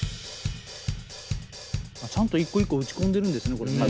ちゃんと一個一個打ち込んでるんですねこれね。